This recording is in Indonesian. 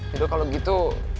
yaudah kalau gitu